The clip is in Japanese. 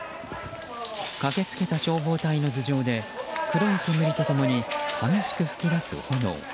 駆けつけた消防隊の頭上で黒い煙と共に激しく噴き出す炎。